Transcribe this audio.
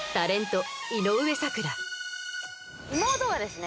妹がですね